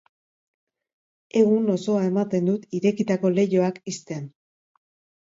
Egun osoa ematen dut irekitako lehioak ixten!